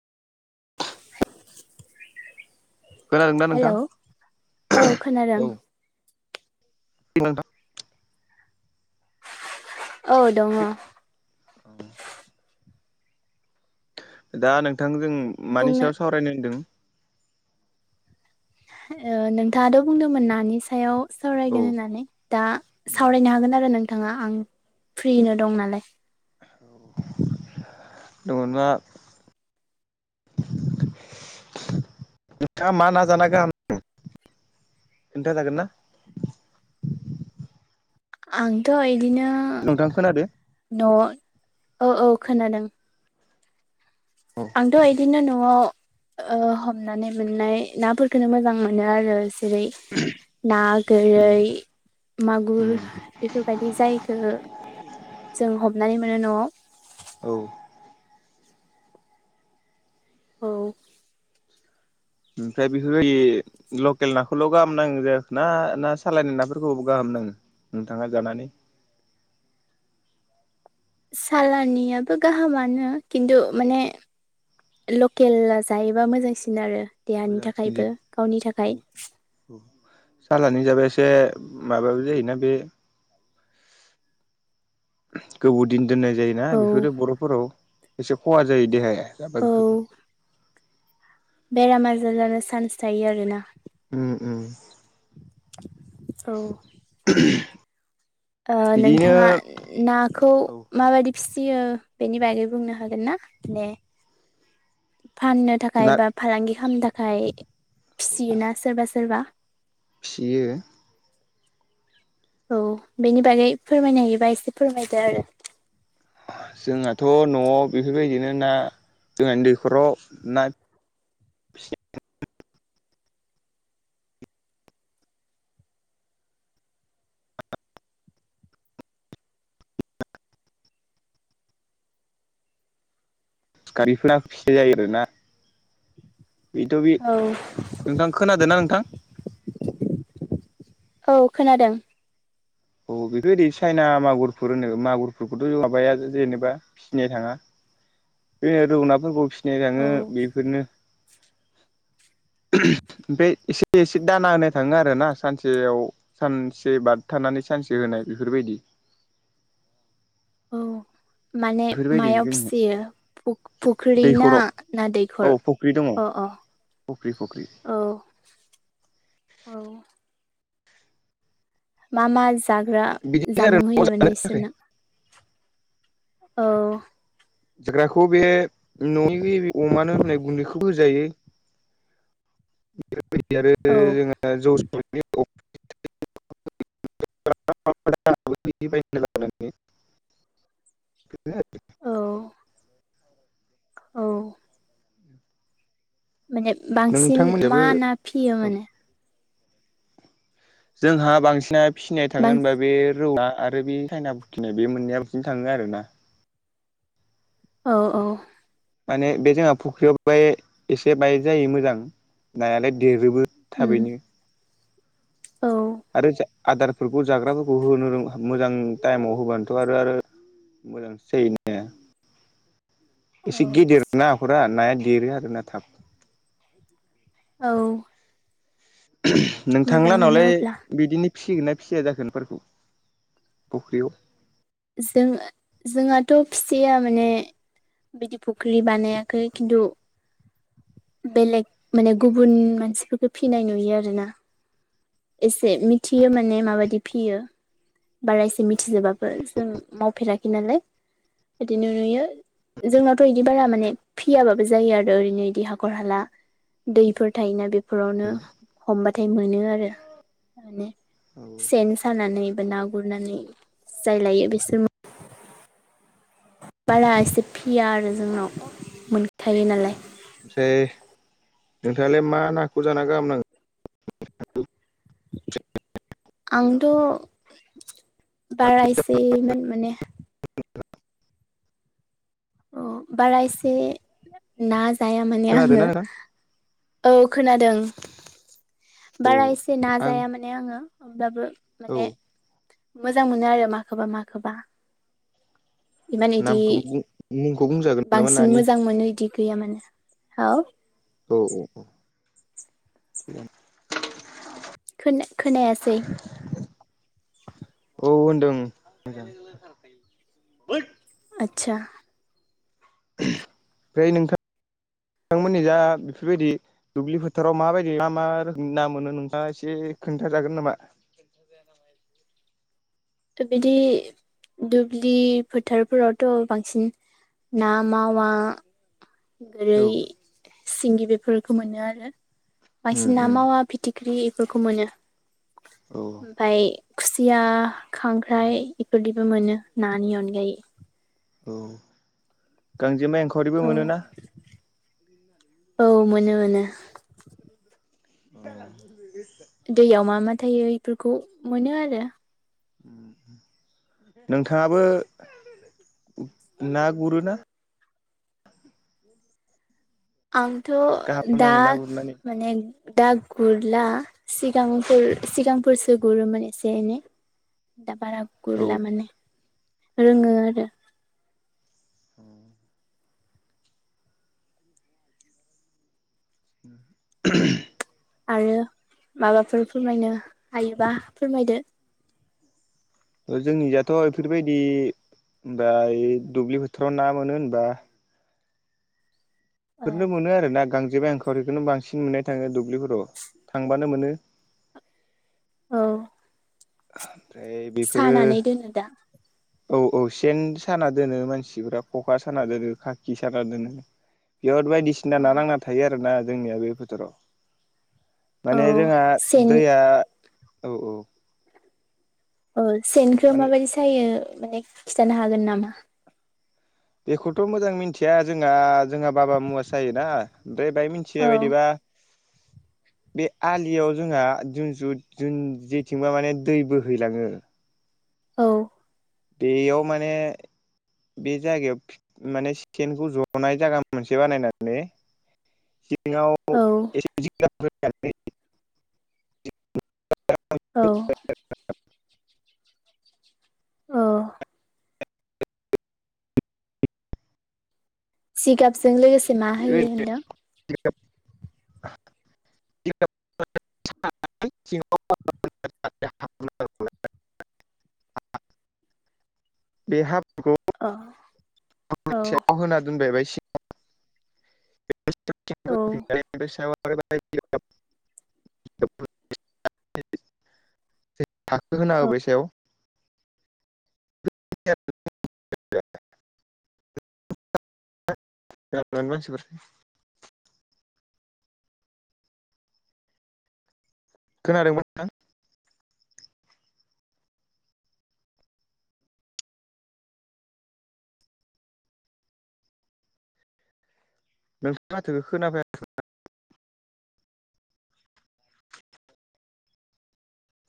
खोनादों ना नोंथां हेलौ औ खोनादों [inaudible] औ थ दा औ दङ औ दा नोंथां जों मानि बुंनो सायाव सावरायनो होनदों नोंथाङाथ' बुंदोंमोन नानि सायाव औ सावरायगोन होननानै दा सावरायनो हागोन आरो नोंथाङा आं फ्रिनो दं नालाय। औ दङबा नोंथाङा मा ना जाना गाहाम मोनो? खोनन्थाागोन ना? आंथ' इदिनो नोंथां खोनादों न' औ औ खोनादों औ आंथ' बिदिनो न'आव ओ हमनानै मोननाय नाफोरखो मोजां मोनो आरो। जेरै ना गोरै मागुर बेफोरबायदि जायखो जों हमनानै मोनो न'आव औ औ ओमफ्राय बेफोरबायदि लकेल नाखौल' गाहाम नांगौ जायाख ना ना साालायनाय नाफोरखौबो गाहाम नाङो नोंथाङा जानानै सालनियाबो गाहामानो खिन्थु माने लकेेल जायोबा मोजांसिन आरो देहानि मोजांसिन थाखायबो जायो गावनि थाखाय सालानि जाबाय एसे माबाबो जायोना बे [unintelligible] गोबावदिन दोननाय जायोना औ बेफोरो बर'फोराव एसे खहा जायो देहाया जाबा औ बेफोरखौ बेराम आजार जानो चान्स थायो आरोना। उम उम औ [unintelligible] ओ बिदिनो नोंथाङा नाखौ औ माबादि फिसियो बेनि बागै बुंनो हागोन ना दे फाननो थाखाय ना बा फालांगि खालामनो थाखाय फिसियोना सोरबा सोरबा बियो औ बेनि बागै फोरमायनो हायोबा एसे फोरमायदो आरो जोंहथ' न'आव बेफोरबायदिनो ना जोंहानि दैखराव ना बेफोर गारिफोरा फिसा जायो आरोना बेथ' बे औ नोंथां खोनादों ना नोंथां औ खोनादों औ बेथ दि साइना मागुरफोर होनो मागुरफोरखौथ' माबाया जेनेबा फिनाय थाङा बेनो रौनाफोरखौ फि औ [unintelligible] बेफोरनो ओमफ्राय एसे एसे दाना होनो थाङो आरोना सानसेयाव सानसे बारथारनानै सानसे होनाय बेफोरबायदि औ माने बेफोरबायदिनो मायाव जोंनो फिसियो फुख्रि ना दैखराव ना दैखर अ अ फख्रि फख्रि औ औ मा मा जाग्रा बिदिनो आरो जामुं न'आव होयो जानो माने थाखाय बिसोरनो औ जाग्राखौ बे न'नि अमानो होननाय गुन्दैखौबो होजायो बेफोरबायदि आरो औ जोंहा जौ स [unintelligible] [unintelligible] [unintelligible] औ औ माने बांसिन मा नोंथांमोनहाबो ना फियो माने जोंहा बांसिना फिसिनाय थांङो बां होनबा बे रौआ आरो बे खाइना बुथिनाय बे मोनैया बांसिन थाङो आरोना औ औ माने बे जोंहा फुख्रियाव बे एसे बाय जायो मोजां नायालाय देरोबो उम थाबैनो औ आरो आदारफोरखौ जाग्राफोरखौ होनो रों मोजां टाइमाव होबानोथ' आरो आरो [unintelligible] औ एसे गिदिर ना हाखरा नाया देरो आरो ना थाब औ नोंथां मोजाङानो लानावलाय अब्ला बिदिनो फिसिगोन ना फिसिया जाखोनफोरखौ फख्रियाव जों जोंहाथ' फिसिया माने बिदि फुख्रि बानायाखै खिन्थु बेलेग माने गुबुन मानसिफोरखौ फिनाय नुयो आरो ना एसे मिथियो माने माबायदि फियो बारा एसे मिथिजोबाबो जों मावफेराखै नालाय बिदिनो नुयो जोंनावथ' बिदि बारा माने फियाबाबो जायो आरो ओरैनो इदि हाखर हाला दैफोर थायोना बे बेफोरावनो हमबाथाय मोनो आरो माने औ नंगौ सेन्स सानानै बा ना गुरनानै जाय लायो बिसोर बारा एसे फिया आरो जोंनाव मोनखायो नालाय [unintelligible] नोंथाङालाय मा नाखौ जाना गाहाम नांगौ। आंथ' बारायसैान माने अ बारा एसे ना जाया माने आङो। खोनादोंना नोंथां? औ खोनादों औ बारा एसे आं नाजाया माने आङो हब्लाबो औ माने मोजां मोनो आरो माखौबा माखौबा इमान इदि नामखौ मुंखौ बुंजागोन नामा बांसिन नानि मोजां मोनो इदि गैया मानो औ। औ औ औ खो-खोना खोनायासै। औ होनदों आदसा ओमफ्राय नोंथां नोंथांमोननि जा बेफोरबायदि दुब्लि फोथाराव माबायदि मा मा रोखोमनि ना मोनो नोंथाङा एसे खोन्थाजागोन नामा। [inaudible] बिदि दुब्लि फोथारफोरावथ' बांसिन ना मावा गोरै औ सिंगि बेफोरखौ मोनो आरो उम बायसि ना उम मावा फिथिख्रि बेखौमोनो। औ ओमफ्राय खुसिया खांख्राइ उम इफोरदिबो मोनो नानि अनगायै औ गांजेमा एंखावरिबो औ मोनोना। औ मोनो मोनो। [inaudible] [inaudible] दैयाव मा मा थायो बेफोरखौ मोनो आरो नोंथाङाबो ना गुरोना। आंथ' गाहाम दा नाङो ना गुरनानै माने दा गुरला सिगांफोर सिगांफोरसो गुरोमोन एसे एनै। दा बारा गुरला औ माने रोङो आरो। [inaudible] [inaudible] आरो माबाफोर फोरमायनो हायोबा फोरमायदो। जोंनि दाथ' बेफोरबायदि होनोमबा दुब्लि बोथोराव ना मोनो होनबा बेफोरनो मोनो आरो ना गांजेबाय आंखावरिखौनो बांसिन मोननाय थाङो दुब्लिफोराव थांबानो मोनो। औ ओमफ्राय बेफोरो सानानै दोनो दा औ औ सेन साना दोनो मानसिफोरा खखा साना दोनो खाखि साना दोनो बिहाव बायदिसिना अ ना नांना थायो आरोना जोंनिया बे फोथोराव। औ माने जोंहा सेन दैया औ औ। औ सेनखो माने माबायदि सायो माने खिन्थानो हागोन नामा। बेखौथ' मोजां मिथिया जोंहा जोंहा बाबा मुवा जायोना ओमफ्राय बाय मिथिय औ बायदिबा [inaudible] बे आलियाव जोंहा जुनसु जुन जेथिंबा माने दै बोहैलाङो औ बेयाव माने बे जायगायाव माने सटेनखौ जनाय जायगा मोनसे बानायनानै [unintelligible] औ [unintelligible] औ औ सिगाबजों लोगोसे मा होयो होनदों [unintelligible] [unintelligible] बे हाफोरखौ अ [unintelligible] होना दोनबाय सिङाव औ [unintelligible] [unintelligible] औ होबाय सायाव [unintelligible] मासिफोर खोनादोंमोन [unintelligible] नोंथां नोंस माथोखौ खोनाफाय